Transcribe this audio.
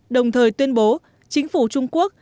đồng thời tuyên bố chính phủ trung quốc